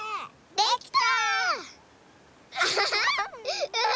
できた！